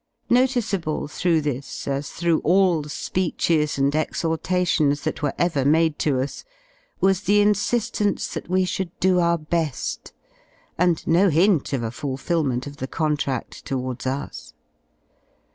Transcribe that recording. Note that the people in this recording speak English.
Noticeable through this, as through all speeches and exhortations that were ever made to us, was the insi^ence that we should do our be^, and no hint of a fulfilment of the contrad towards us.